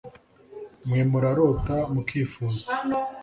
mwe murarota mukifuza